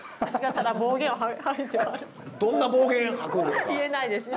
どんな暴言吐くんですか？